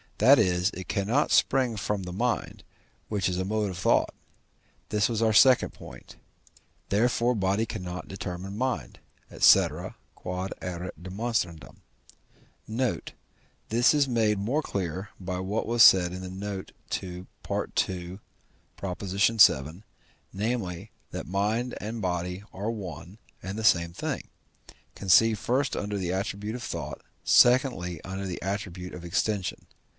that is, it cannot spring from the mind, which is a mode of thought. This was our second point. Therefore body cannot determine mind, &c. Q.E.D. Note. This is made more clear by what was said in the note to II. vii., namely, that mind and body are one and the same thing, conceived first under the attribute of thought, secondly, under the attribute of extension.